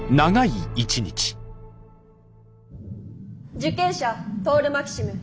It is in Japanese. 受刑者トオル・マキシム。